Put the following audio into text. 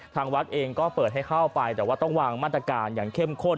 ทางวัดเองก็เปิดให้เข้าไปแต่ว่าต้องวางมาตรการอย่างเข้มข้น